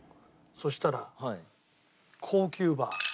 そしたら高級バー。